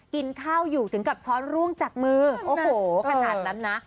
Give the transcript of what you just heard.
กินข้าวอยู่ถึงกับช้อนร่วงจากมือโอ้โหขนาดนั้นนะ